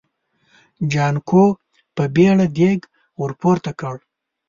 جانکو په بيړه دېګ ور پورته کړ.